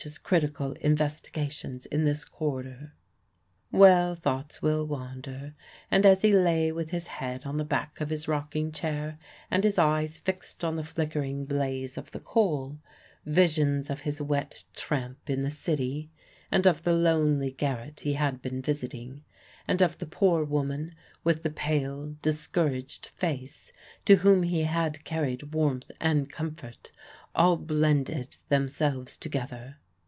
's critical investigations in this quarter. Well, thoughts will wander; and as he lay with his head on the back of his rocking chair, and his eyes fixed on the flickering blaze of the coal, visions of his wet tramp in the city, and of the lonely garret he had been visiting, and of the poor woman with the pale, discouraged face, to whom he had carried warmth and comfort, all blended themselves together.